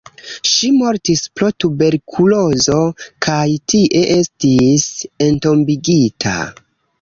Ŝi mortis pro tuberkulozo kaj tie estis entombigita.